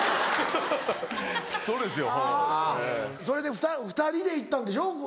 それで２人で行ったんでしょ？